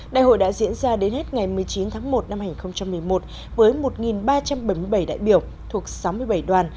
đại hội đã diễn ra đến hết ngày một mươi chín tháng một năm hai nghìn một mươi một với một ba trăm bảy mươi bảy đại biểu thuộc sáu mươi bảy đoàn